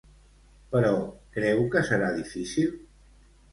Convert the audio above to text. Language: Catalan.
Però creu que serà difícil?